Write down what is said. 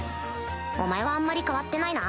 お前はあんまり変わってないな